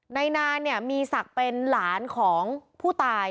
นายนาเนี่ยมีศักดิ์เป็นหลานของผู้ตาย